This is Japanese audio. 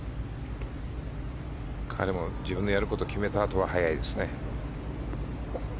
彼も、自分がやることを決めたあとは早いですね。